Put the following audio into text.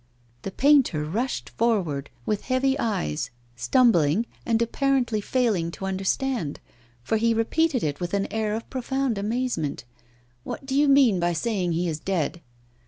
The painter rushed forward, with heavy eyes, stumbling, and apparently failing to understand, for he repeated with an air of profound amazement, 'What do you mean by saying he is dead?